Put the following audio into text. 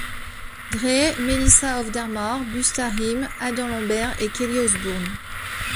Dre, Melissa Auf der Maur, Busta Rhymes, Adam Lambert et Kelly Osbourne.